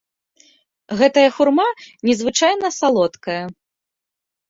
Гэтая хурма незвычайна салодкая.